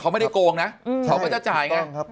เขาไม่ได้โกงนะเขาก็จะจ่ายไง